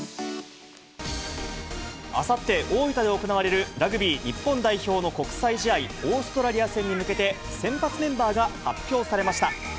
あさって、大分で行われるラグビー日本代表の国際試合、オーストラリア戦に向けて、先発メンバーが発表されました。